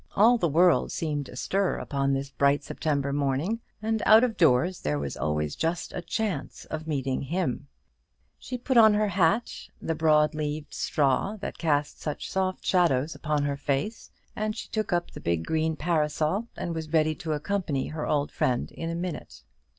All the world seemed astir upon this bright September morning; and out of doors there was always just a chance of meeting him. She put on her hat, the broad leaved straw that cast such soft shadows upon her face, and she took up the big green parasol, and was ready to accompany her old friend in a minute.